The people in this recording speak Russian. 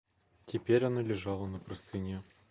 Теперь она лежала на простыне.